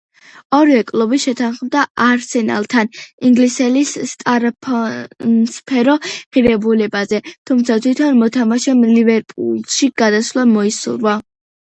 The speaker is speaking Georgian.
ორივე კლუბი შეთანხმდა „არსენალთან“ ინგლისელის სატრანსფერო ღირებულებაზე, თუმცა თვითონ მოთამაშემ „ლივერპულში“ გადასვლა მოისურვა.